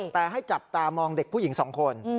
แต่ให้จับตามองเด็กผู้หญิง๒คน